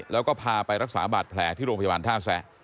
แล้วก็พาไปรักษาบาดแผลที่โรงพยาบาลท่าแซะ